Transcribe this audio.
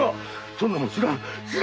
そんなの知らん！